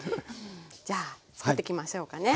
じゃあ作っていきましょうかね。